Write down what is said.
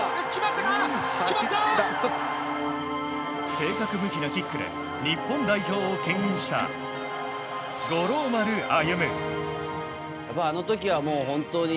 正確無比なキックで日本代表を牽引した五郎丸歩。